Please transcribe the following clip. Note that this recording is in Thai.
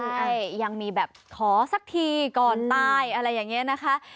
ใช่ยังมีแบบขอสักทีก่อนตายอะไรอย่างนี้นะคะ